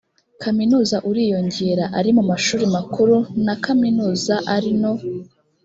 kaminuza uriyongera ari mu mashuri makuru na kaminuza ari no